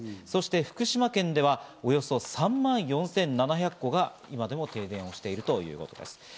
そして福島県ではおよそ３万４７００戸が今でも停電しているということです。